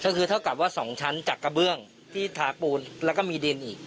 ก็คือเท่ากับว่า๒ชั้นจากกระเบื้องที่ทาปูนแล้วก็มีดินอีก